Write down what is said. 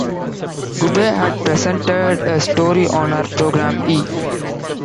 Gubbay had presented a story on her program E!